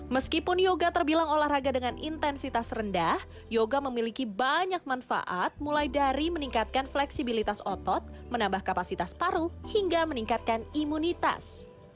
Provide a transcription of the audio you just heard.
meskipun yoga terbilang olahraga dengan intensitas rendah yoga memiliki banyak manfaat mulai dari meningkatkan fleksibilitas otot menambah kapasitas paru hingga meningkatkan imunitas